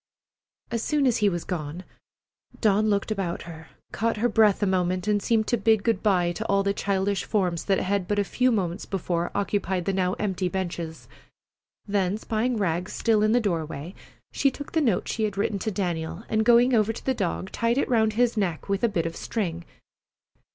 As soon as he was gone, Dawn looked about her, caught her breath a moment, and seemed to bid good by to all the childish forms that had but a few minutes before occupied the now empty benches. Then, spying Rags still sitting in the doorway, she took the note she had written to Daniel and, going over to the dog, tied it around his neck with a bit of string.